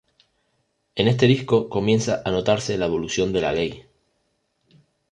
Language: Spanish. En este disco comienza a notarse la evolución de La Ley.